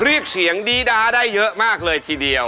รีบเสียงดีดาได้เยอะมากเลยทีเดียว